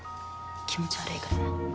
気持ち悪いぐらい。